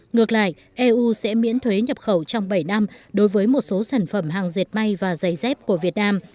ngược lại eu sẽ miễn thuế nhập khẩu trong bảy năm đối với một số sản phẩm hàng dệt may và giày dép của việt nam